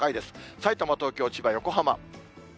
さいたま、東京、千葉、横浜。